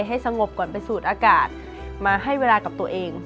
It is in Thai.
ให้สงบก่อนไปสูดอากาศมาให้เวลากับตัวเอง